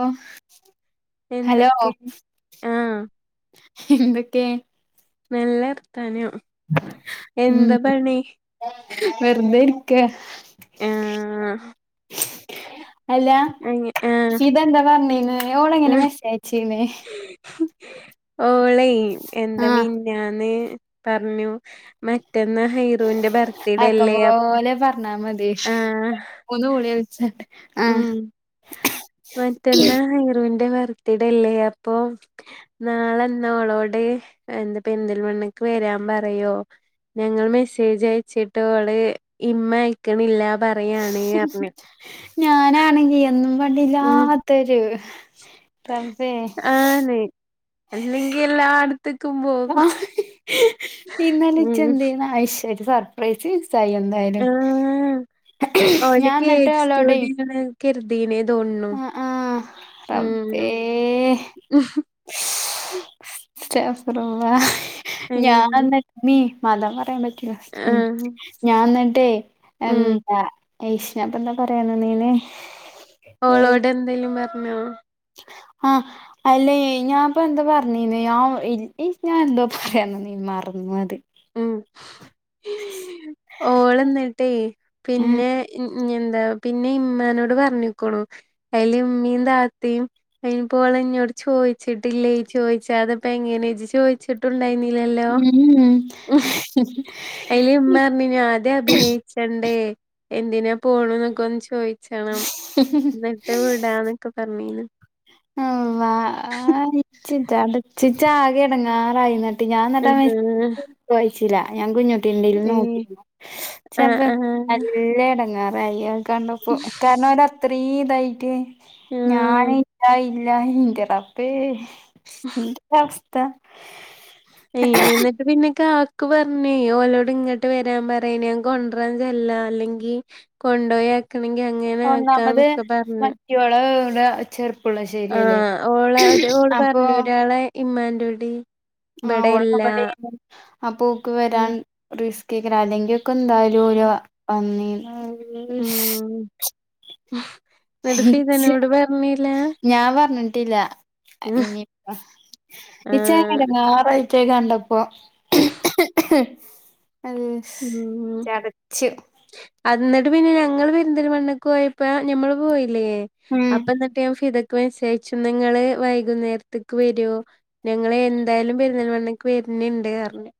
ഓ hello എന്തൊക്കെ ആഹ് എന്തൊക്കെ നെല്ലർത്താനം. മ്മ് വെറുതെ ഇരിക്കാ. ആഹ അല്ല ആഹ് ഫിദെന്താ പറഞ്ഞിന്നെ ഓള എങ്ങനെ മെസ്സയ അയചിന്നേ ഓളൈ എന്താ ആഹ് മിഞ്ഞാന്ന് പറ ഞ്ഞു മറ്റ് റ്റന്നാ ഹൈറുവിന്റെ ബർത്ത്ഡേ അല്ലെ അപ് അതെ ഒന്ന് വിളിളിച്ചാ തി മ്മ് മറ്റന്നാ ഹൈറുൻ ൻ്റെ ബർത്ത്ഡേ അല്ലേ അപ്പൊ നാളന്നോളോട് എന്താ പെരിന്തൽമണ്ണക്ക് വേരാൻ പറയോ. ഞങ്ങൾ മെസ്സേജ് അയച്ചിട്ട് ഓള് ഇമ്മ അയക്കണില്ല പർ ഫ്രീആണ് പറഞ്ഞു ഞാനാണെങ്കിൽ എന്നും വേണ്ടില്ലാത്തൊരു ആ ന്ന് അല്ലെങ്കി എല്ലാടത് ആ ഇന്നലെ ഉം ഇച്ചെന്തേ [unintelligible] സർപ്രൈസ്സായി മിസ്സ്‌ എന്തായാലും ആഹ് ഞാൻ ന്നട്ട് ഓളോടെ കേര്തീന്ന് അ ആ റബ്ബേ. സ്റ്റാഫ്‌ റൂമാ അയിന് ഞാൻന്നട്ട് [unintelligible] മ [unintelligible] മാണ്ട പറയാൻപറ്റ് ഉം ഉം ആഹ് ഞാൻ ന്നട്ടേ ഉം എന്താ ഐഷ് ഞാൻ പ്പെന്താ പറയാൻ നിന്നിനെ ഓളോട് എന്തേലും പറഞ്ഞോ? ആ അല്ലേയ് ഞാൻപ്പോ എന്താ പറഞ്ഞീന്ന് ഞാൻ ഈ ഞാൻ എന്തോ പറയാനിന്നിന്ന് മറന്നത് ഉം ഓള് ഉം ഉം പിന്നെ ഇമ്മാനോട് പറഞ്ഞുക്ക്ണു അയില്ല് ഇമ്മീം താത്തിം അയിന് പ്പോള് ഇന്നോട് ചോദിച്ചിട്ടില്ലേ ചോദിച്ചതെപ്പങ്ങനെ ഇജ്ജ് ചോയിച്ചിട്ടുണ്ടയ്ന്നീ ഉം ഉം അയില് ഇമ്മ പറഞ്ഞിന്ന് ആദ്യം അഭിനയിച്ചണ്ടേ എന്തിനാ പോണ്ന്നൊക്കെ ഒന്ന് ചോയിച്ചണം ന്നട്ട് വിടാന്നൊക്കെ പറഞ്ഞിന്നു [unintelligible] ഇച്ച് ആകെ എ ടങ്ങാറായതാണ് ഞാൻ നട്ട ആഹ് മായിച്ചില്ല ഞാ കുഞ്ഞട്ടി ഏഹ് [unintelligible] ആഹ് പ്പോ ആഹ് നല്ല ഇടങ്ങാറഴി കണ്ടപ്പൊ കാരണം അവ അത്രയും ഇതായിട്ട് ഞാൻ ആഹ് ക ഇല്ല ഇല്ല ഇന്റെറബ്ബേ എന്ത അവസ്ഥ എന്നിട്ട് പിന്നെ കാ ക്ക് പറഞ്ഞേ ഓലോട് ഇങ്ങോട്ട് വരാൻ പറയ ഞാൻ കൊണ്ടരാൻ ചെല്ലാം അല്ലെങ്കിൽ കൊണ്ടായ ആക്കണെങ്കി അങ്ങനെ ഒന്നാമത് ആക്കാന്നൊക്കെ പറഞ്ഞു മറ്റോള് ഇവിടെ ആ ചെർപ്പുളശ്ശേരിയല്ലേ ഓള ഒരു ഓള് പറഞ്ഞു ഒരാളെ ഇമ്മാന്റെ ഉടി ആ്ഓടെ ആ പൂക്ക് വരാൻ ആഹ് റിസ്ക്കാകാരം അല്ലെങ്കി നക്ക എന്തായാലും ഒര് വന്നീ ഉം എന്നിട്ട് ച്ചേ ഫിദനോട് പറഞ്ഞില്ല ഞാൻ പറഞ്ഞ് ടില്ല ഇനി ഇച്ചങ്ങ ആഹ് എടങ്ങേറായിട്ട് കണ്ട പപം ഉ ചടച്ചു അത്ന്ന് പിന്നെ ഞങ്ങൾ പെരിൻതൽമണ്ണക്ക് പോയപ്പോ ഞമ്മള് പോയില്ലേ ഉം അപ്പന്നട്ട് ഞാൻ ഫിത മസരിച്ചുംൺ നിങ്ങള് വൈകുന്നേരത്തേക്ക് വരുമോ ഞങ്ങൾ എന്തായാലും പെരുന്നൽ മണ്ണക്ക് വര വര്ന്ന്ണ്ട്അറിഞ്ഞ്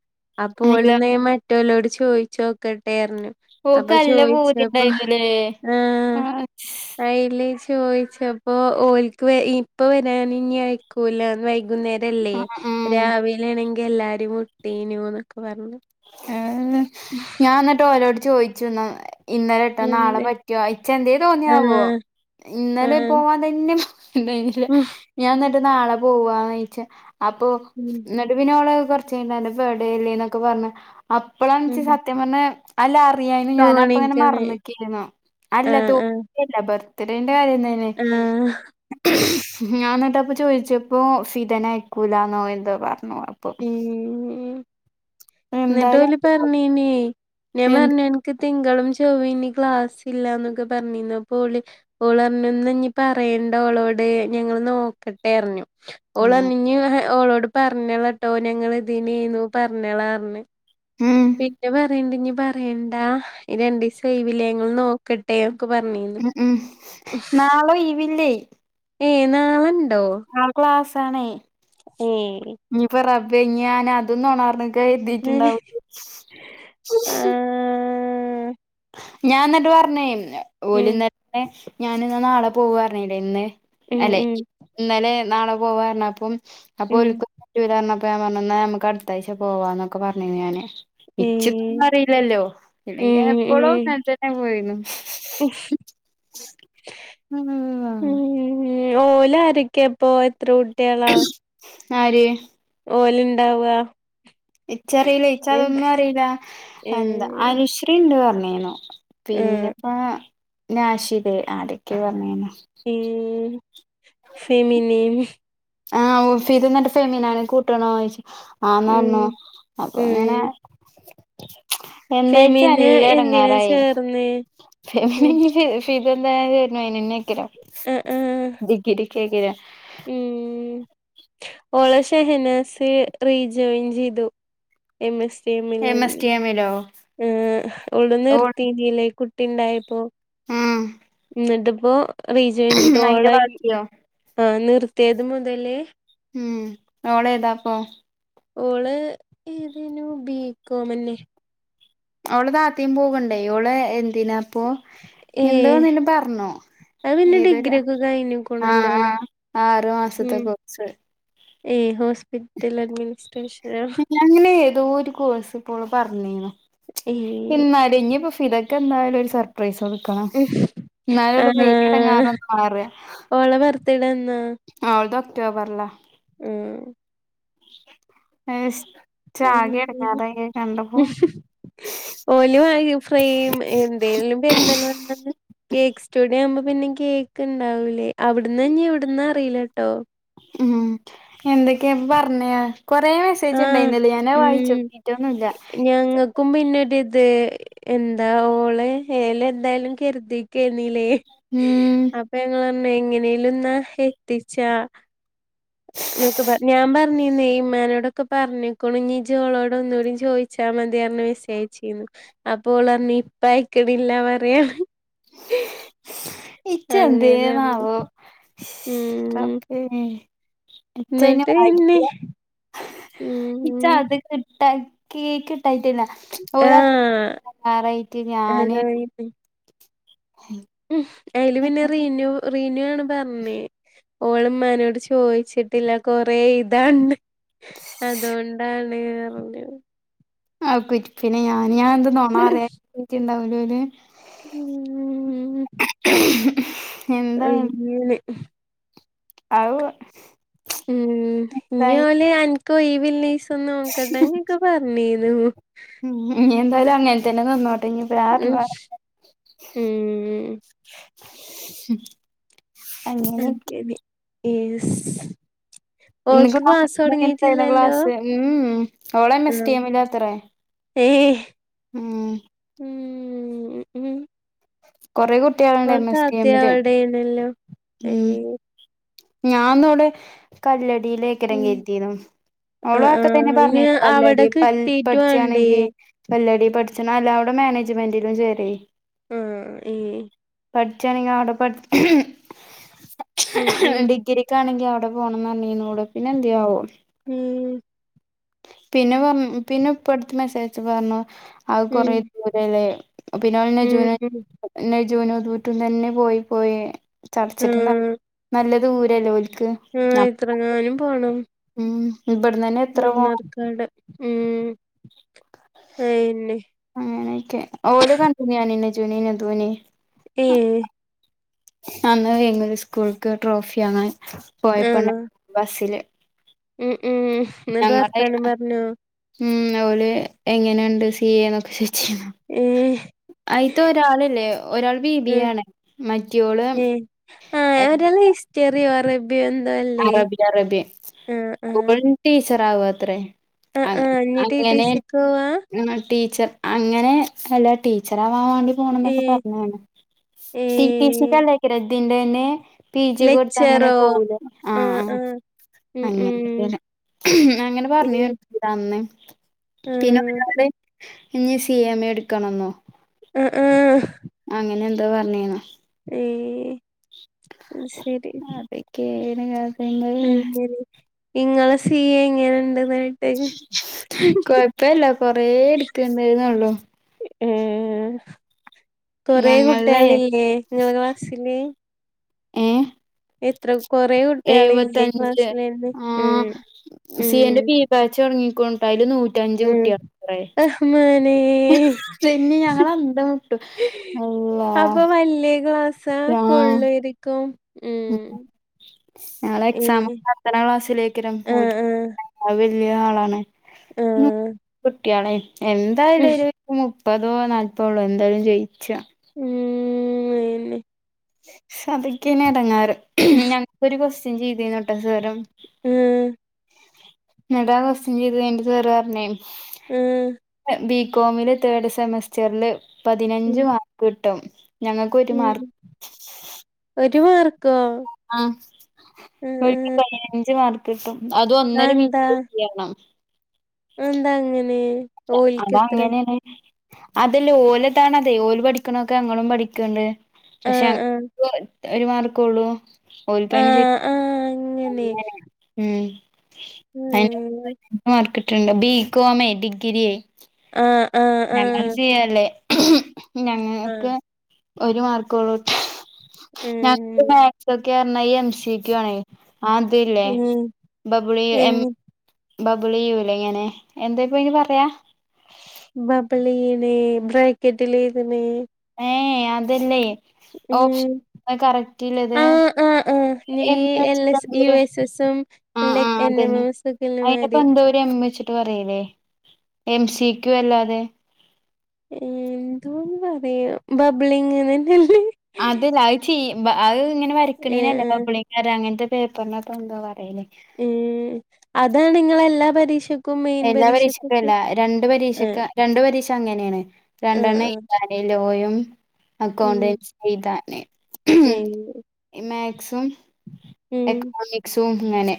അല്ല അപ്പോൾന്ന്ൻ മറ്റലോട് ചോയിച്ച് നോക്കട്ടെ അറഞ്ഞു ഓക്ക് നല്ല ആപ്പൊചൊയിച്ചപ്പൊ പൂതിണ്ടായിരുന്നുല്ലേ ആ അയിൽ ചോദിച്ചപ്പോ ഓലക്ക് ഇപ്പ വരൻ ഇ അയക്കൂലന്ന് വൈ വൈകുന്നേരല്ലേ ആ ആ രാവിലൊണെങ്കിൽ എല്ലാരും മുട്ടീനു ന്നൊക്കെ പറഞ്ഞു ഏ ഞാൻ എന്നിട്ട് ഓലോട് ചോയിച്ചു ഇന്നലെട്ടോ നാളെ എന്ത് പറ്റുവോ ഇച്ച എന്തേ തോന്നിയാവോ ആഹ് ഇന്നലെ ആഹ് പോവാൻ തന്നെ ഇല്ല ഇല്ല ഉം ഞാൻ എന്നിട്ട് നാളെ പോവാന്ന്ച്ചാ അപ്പൊ ഉം ന്നട്ട് പിന്നെ ഓൾ കൊറച്ച് കഴിഞ്ഞ് അൻറ ബെടെക്കെ പറഞ്ഞ് അപ്പളാണ് ഇൻക്ക് ഉം സത്യം പറഞ്ഞാൽ അ ല [unintelligible] ഞാൻ അപ്പായിങ്ങനെ തോണിക്കണ് മറന്നിക്കില്ലേന്ന് അല്ല ആഹ് ആഹ് തൂക്കില്ല ബർത്തിടെ കയന്നെ ആഹ് [unintelligible] ഞാ എന്നിട്ടപ്പൊ ചോദിച്ചപ്പോൊഫിതന ആക്കൂലാന്നോ എന്തൊ പറഞ്ഞു അപ്പൊ എന്തായാലും എന്നിട്ട്ലി പറഞ്ഞനേ ഞാൻ എന്ത് പറഞ്ഞ അനക്ക് തിങ്കളും ചൊവ്വ ഇനി ക്ലാസ് ഇല്ലന്നൊക്കെ പറഞ്ഞിന്നപ്പം ഓള ഓൾപറഞ്ഞി ഓളോട് ഞങ്ങളന്ന് നോക്കട്ടെ അറിഞ്ഞു ഉം ഓൾറിഞ് ഓളോട് പറഞ്ഞളട്ടോ ഞങ്ങ ഇതിനന്ന്നു പറഞ്ഞോളാ പറഞ്ഞഞ് ഉം പിന്നെ പറയണ്ട ഇനി പറയണ്ടാ രണ്ട്സം ഒഴിവില്ലേ ങ്ങൾ നോക്കട്ടെ പറഞ്ഞീന്നു ഉ ഉം നാളേ ഒഴിവില്ലേ ഏ നാളെ ആ ക്ലാസ് ആണേ ഏ ബെങ്ങിയാന അതൊന്നോണർന്നക്ക എഴുതിട്ടുണ്ടാവും ആ ഞാൻ എന്നിട്ട് പറഞ്ഞേ ഉം ഓലന്നര ഞൻ ഇ നാളെ പോവ പറഞ്ഞേല്ലേ ഇന്ന് ഉം അല്ലെ ഉം ഇന്നലെ നാളെ പോവാഞ്ഞ അപ്പം ഉം ഓൽക്ക് പറ്റൂല പറഞ്ഞപപം അപ്പം പറഞ്ഞു നമുക്ക് അടുത്താഴ്ച പോവാന്നൊക്കെ പറഞ്ഞിനി ഞാന് ഏ ഇച്ചിപ്പം അറിയില്ലല്ലോ ഇല്ലെങ്കിൽ ഉം എപ്പോഴോ ത്തന്നെ പോയിണ് ഉം ഓല ആരൊക്കെപ്പം എത്ര കുട്ടികളാ ആര് ഓലുണ്ടാവാ ഇച്ചറിയില്ല ഇച് അതൊന്നും അറിയില്ല എന്താ അനുശ്രീ ഉണ്ട് പറഞ്ഞിനു ആഹ് പിന്നെപ്പോ നശിതേ ആരൊക്കെ പറഞ്ഞിന്നെ ഉ ഫെമിനി ആഹ ഫീദ് എന്നിട്ട് ഫെമീനെ കൂട്ടണോ ആന്ന് പറഞ്ഞു ഉം അപ്പൊ ഇങ്ങനെ ഉം എന്താച്ച ഫെമിന് നല്ല എന്തിനാ ഇടങ്ങാറായി ചേർന്നേ പിന്നെ ഉം ഇനി ദ എന്തായാലും അയിനെന്നെ ആഹ് ആഹ് ഡിഗ്രി ഐയക്കാരം ഉം ഓളെ Shahnaz rejoin M S C M S [unintelligible] മ് ടി എമ്മിലോ ഓൾ നിർത്തിക്കില്ലേ കുട്ടി ഉണ്ടായപ്പോ ഉം എന്നിട്ടിപ്പോ റീജോ ചെയതോള അയിന്റെ ബാക്കിയോ അ നിർത്തിയത് മുതല് ഉം മോളെതാപ്പം ഓള് ഏതേനു ബീക്കോമന്നെ അവള് താത്തിം പോക്ണ്ടേ അവള് എന്തിനാ പ്പൊ ഏ എന്തോ ന്ന്ന് പറഞ്ഞു അത് പിന്നെ ഏതൊരു ഡിഗ്രി ഒക്കെ ആഅ കഴിഞ്ഞിക്കണല്ലോല്ലേ ആറു മാസത്തെ കോഴിസ് ഏ ഹോസ്പിറ്റൽ അഡ്മിനിസ്ട്രേഷൻ അങ്ങനെ ഏതോ ഒരു കോഴ്സ് ഇപ്പോപറന്നിന്നു ഏ ഇന്നാടി ഇനിപ്പൊ ഫിദക് എന്തായാലും ഒരു സർപ്രൈസ് കൊടുക്കണം ഉം. ആ എന്നാലള്ളൂ ഈ അടങ്ങാറഒന്ന് മാറ ഓളെ ബർത്ത്ഡേ എന്നാ അവളതെ ഒക്ടോബർലാ ഉം യെസ് ഇച്ച് ആ, ആകെ അങ്ങനെ. എടാങേറായി ഹ് ക ഓല് വ ഫ്രെയിം എന്തെിലും പെരുന്തൽ മണ കേക്ക് സ്റ്റുഡിയോ ആവുമ്പോ പിന്നെ കേക്ക് ഉണ്ടാവൂലേ അവിടന്ന ഇവിടന്ന അറിയിലട്ടോ ഉം എന്തൊക്കെയാപ്പ പറഞ്ഞ കൊറെേ മെസ്സേജ് ആ ഉണ്ടായിന്നല്ലേ ഞാനാ ഉം വായിച്ചോക്കിറ്റൊന്നുല്ല അത് എന്താ ഓള് യെലെ എന്തായാലും കരുതിക്കെന്നില്ലേ മ്മ് എങ്ങനെലുംന്നാ എത്തിച്ചാ നക്ക് പറ ഞാൻ പറഞ്ഞീനെ ഇമ്മാനോടെ ക്കെ പറഞ്ഞ്ക്ക്ണു ഇനി ഇച്ച് ഓളോട് ഒന്നുടിം ചോദിച്ചാൽ മതി പറഞ്ഞ് മെസ്സച്ചയച്ചീന്നു അപ്പോൾ ഓൾ പറഞ്ഞ് ഇപ്പ അയിക്കണില്ല പറയാണ് [unintelligible] അങ്ങനെ പറഞ്ഞു ഇച്ചന്തേനാവോസ് ഉം റബെ ഇച്ഛയിൻ എന്നിട്ട് പിന്നെ ആയിട്ടില്ല ഇച്ചാ ഉം അത് കിട്ട കേക്ക് കിട്ടായിട്ടില്ല ഒരാ ആഹ് കറായിട്ട് ഞാന് ഉം അയില് പിന്നെ റീനു റീനു ആണ് പറഞ്ഞേ ഓളമാനോട് ചോദിച്ചിട്ടില്ല കൊറേ എഴുതണ്ട് അതോകൊണ്ടാണ് പറഞ്ഞു ആ കുറിപ്പിനെ ഞാൻ എന്ത നോണ അറിയാണ്ടാവുലെ ഓല് ഉം അങ്ങനെ അഹ് ഉം ഇനി ഓല് അനക് ഒഴിവില്ലിസം നോക്കട്ടെങ്ങൊക്കെ പറഞ്ഞി [unintelligible] ഉം ഇഞി എന്തായാലും അങ്ങനെ തന്നെ നിന്നോ ട്ടെ ഇഞ്പ ഉം ഞാട്ണെ ഉം [unintelligible] യെസ് [inaudible] ഓൾക്ക് ക്ലാസ് [unintelligible] തൊടങ്ങീട്ടില്ലല്ലോ ക്ലാസ് ഉം ഉം ഓളെ [unintelligible] ലാത്രെ ഏ ഉം കൊറേ കുട്ടികള്ണ്ട് എം ഓളെ എസ് ടി താത്ത എമ്മില് അവിടെയാണല്ലോ ഉം ഏഹ് ഞാന്നവിടെ കല്ലടിയിലേക്കരം ഉം കേറ്റീന്നു ഓളു ആഹ് അതൊക്കെ തന്നെ ആഹ് ഇനി പറഞീന്ന് പല്ലടി അവിടെ പ കിട്ടീട്ട് വേണ്ടേ പഠിച്ചാണെങ്കി പല്ലാടി പഠിച്ച്ണത് അല്ല അവിടെ മാനേജ്മെൻ്റിലും ചേരേയ് ആ ഉം പഠിച്ചാണെങ്കി അവടെ പഠ് ഉം ഉം ഡിഗ്രിക്കാണെങ്കി അവ ടെ പോണന്നറിഞ്ഞിന്നു ഓള് പിന്നെ എന്തേയാവോ ഉം പിന്നെ പറ പിന്നെ ഇപ്പ അടുത്ത് മെസ്സേജയച്ചപ്പോ പറഞ്ഞു അത് കൊറേ ഉം ദൂരല്ലേ പിന്നെ ഓളെ ഉം നജൂന് ഉം [unintelligible] ജൂനുട്ടുട്ടും തന്നെ പോയി പോയി ചടച്ചിട്ട് ആഹ് നല്ല ദൂരല്ലേ [unintelligible] ആഹ് എത്രങ്ങാനും പോണം ഉം ഇവിടന്നന്നെ എത്ര പോണം മണ്ണാർക്കാട് ഉം അയന്നെ അങ്ങനെക്കെ ഓല് കണ്ടിര്ന്നു ഞാന് നജൂനിം നദൂ നിം ഏ അന്ന് [unintelligible] സ്കൂൾക്ക് ട്രോഫി വാങ്ങാന് ആഹ് പോയപ്പണ്ട [unintelligible] ബസ്സില് ഉം ഉം ഇന്നിട്ട് ഞങ്ങളെ വർത്താനം പറഞ്ഞോ ഉം ഓൾ എങ്ങനെണ്ട് സി എ ന്നൊക്കെ ചോയ് ഏഹ് അയിത്തെ ഒരാളില്ലേ ഒരാൾ ബി ബി എ ആഹ് ആണ് മറ്റോള് [unintelligible] സ്റ്ററി വർ അറബി അറബി ആഹ് ആഹ് ഓള് ടീച്ചർ ആവാത്രേ ആഹ് അങ്ങ ആഹ് ഇഞ്ഞ് ടി ടി അങ്ങനെ സിക്ക് പോവാ ടീച്ചർ അങ്ങനെ നല്ല ടീച്ചറാ വാൻ വാണ്ടി പോണംന്നൊക്കെ ഏഹ് പറഞ്ഞതാണ് ഏഹ് [unintelligible] തിന്റെന്നേ പി ജി ഒക്കെടത്ത് അങ്ങനെ ലെക്ച്ചറോ പോവൂലേ ആ ആഹ് ആ ആഹ് ഉം ഉം അങ്ങന [unintelligible] അങ്ങനെ പറഞ്ഞു ഏഹ് [unintelligible] ഇതന്ന് പിന്നെ ആഹ് [unintelligible] ഇഞ് സി എം എ എടുക്കണംന്നോ ആ ആ അങ്ങനെ എന്തോ പറഞ്ഞീന്നു ഏ അത് ശരി അതൊക്കെയാണ് കാര്യങ്ങള് അങ്ങനെ ഇങ്ങളെ സീ എ ഇങ്ങനെണ്ട് കൊഴപ്പല്ല കൊറേ ഇട്‌ക്ക്ന്ന്ണ്ട്ന്നുള്ളു ഏ കൊറെ ഞങ്ങൾടെ കുട്ടികളില്ലേ ഇങ്ങളെ ക്ലാസ്സില് ഏ എത്ര കൊറേ കുട്ടികളില്ലേ എഴുവത്തഞ്ച് ക്ലാസ്സിലെന്നെ ആ ഉം സീ എ ന്റെ ഉം ബീ ബാച്ച് തൊടങ്ങി ക്കുണുട്ടോ അയില് നൂ റ്റഞ്ച് ഉം കുട്ടി റഹ്മാനേ [unintelligible] പിന്നെ ഞങ്ങള് അന്തംവിട്ടു അപ്പൊ വല്യേ ക്ലാസാ കൊള്ളേര്ക്കും ഉം ഞങ്ങളെ എക്സാം ഏഹ് [unintelligible] ക്ലാസ്സിലേയ്ക്കാരം ആഹ് [unintelligible] [unintelligible] ആളാണ് ആഹ് ആഹ് കുട്ട്യോളേയ് എന്തായാലൊര് മു പ്പതോ നാല്പ്പതോ ഉള്ളൂ എന്തായാലും ജയിച്ച ഉം [unintelligible] സതക്കന ഇറങ്ങാറ് ഞങ്ങക്കൊരു കൊക്വസ്റ്റ്യൻ ചെയ്തന്നോട്ടെ സ്വരം ഉം നിങ്ങടെ അവസ്ഥ ചെയ്ത് കഴിഞ്ഞിട്ട് വറെ പറഞ്ഞേ ഉം ബികോമില് തേർഡ് സെമസ്റ്ററില് ഉം പതിനഞ്ച് മാർക്ക് കിട്ടും ഞങ്ങൾക്ക് ഒരു ഉം മാർക്ക് ഒരു മാർക്കോ ആഹ് ഒരു ആഹ് പതിനഞ്ച് മാർക്ക് കിട്ടും അത് ഒന്നര മീറ്റ ചെയ്യണം എന്താ അങ്ങനെ ഓൽക്കെത്രേ അതങ്ങനെ ആണ് അതല്ലേ ഓലതാണ അതെ ഓല് പഠിക്കണൊക്കെ അങ്ങളും പഠിക്കണ്ട് പക്ഷെ ആഹ് ആഹ് അങ്ങന ഒരു മാർക്ക ഉള്ളു ആഹ് [unintelligible] ആഹ് അങ്ങനെ ഉം [unintelligible] ബി കോമ ഡിഗ്രിയെ. ആ ആ ആ ഞങ്ങൾ ചെയ്യല്ലേ ആ ഞങ്ങക്ക് ഒരു മാർക്ക് ഉള്ളൂ ഞങ്ങക്ക് ഉം മാത്സ് ഒക്കെ പറഞ്ഞ എം സക്ക് ആണ അതല്ലേ ഉം ബബിളി എം എങ്ങ ബബുള യൂല ഇങ്ങനെ എന്താ ഇപ്പോ ഇനി പറയാ ബബബൽീണെ ബ്രാക്കെറ്റ് ല ഇതിനനെ ഏ അതല്ലേ ഓപ്ഷൻ ഉം കറക്റ്റില്ലത് ആ ആഹ് ആ ഈ എം എ വെച്ചിട്ട് എന്തോ യു ഒരു എസ് ആ എല്ല ആ അതന്നെ [unintelligible] മാരി പറല്ലേ എം സിക്കും അല്ലാതെ ഉം എന്തോന്ന് പറയാം ബബലിംഗ് എന്നല്ലേ അതല്ല അത് ചെയ്യ അത് ഇങ്ങനെ ആ വരയ്ക്കണീനല്ല ആ ബബ്ളിയാര അങ്ങനത്തെ പേപ്പറിനപ്പോ ന്താ പറയാ ഉ അതാണ് നിങ്ങള എല്ലാ പരീഷ എല്ലാ പരീക്ഷക്കും അല്ല രണ്ട് ആ പരീക്ഷക്ക് രണ്ട് പരീക്ഷ അങ്ങനെയാണ് ആ രണ്ടെണ് ആ ഇാന ലോയും ഉം അക്കൗണ്ടൻസി ചെയതന്നെ ഉം മാക്സിമ എക്കണോമിക്സും അങ്ങനെ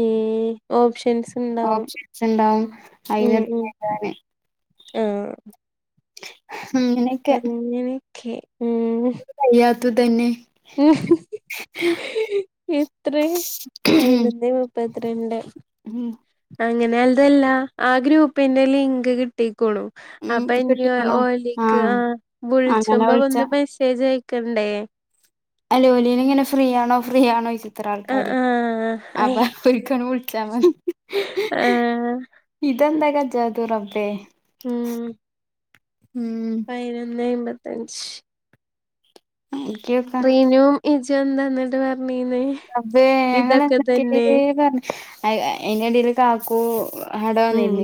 ഏ ഓപ്ഷൻസ് ഉണ്ടാവും ഓപ്ഷൻസ് ഉണ്ടാവും. ഉ ഉ അയിനെഴുതാന് ആ അങ്ങനെക്കെ അങ്ങനെയൊക്കെ അയ്യാത്ത തന്നെ ഉ ഇത്ര അയില മുപ്പത്തിരണ്ട് ഉം അങ്ങനെ അതല്ല ആ ഗ്രൂപ്പിന്റെ ലിങ്ക് കിട്ടി ണ ഉം അപ്പൊ ഇനി കിട്ടിക്കണോ ഓലിക്ക് ആഹ് ആ അങ്ങനെ വിളിച്ച്പോ വിളിച്ച വന്ന് മെസ്സേജ് ആയക്ക് ണ്ടേ അലോലീൻ ഇങ്ങനെ ഫ്രീ ആണോ ഫ്രീ ആണോ എത്ര ആ ആൾക്കാര് ആ അപ്പ അയ്, ഒരിക്കല വിളിച്ചാൽ മതി ഹി ഹി ആ ഹി ഇതെന്താ കജ്‌ജാത്തേ റബ്ബേ ഉം ഉം പതിനൊന്ന് എമ്പത്തഞ്ച് നോക്കിയോക്കാ റീനുവും ഇജ എന്താ എ അതേ ഞങ്ങ എന്തൊക്ക തന്നെ പറഞ്ഞ അ എന്റെടൽ കാക്കൂ ഹട ഉം [unintelligible]